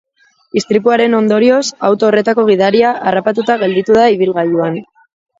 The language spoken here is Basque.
Istripuaren ondorioz, auto horretako gidaria harrapatuta gelditu da ibilgailuan.